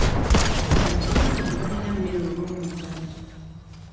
Abantu bangi tebalina mmere olw'omuggalo.